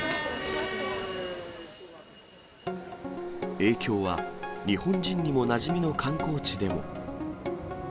影響は、日本人にもなじみの観光地でも。